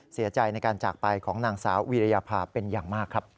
เสียใจในการจากไปของนางสาววิริยภาพเป็นอย่างมากครับ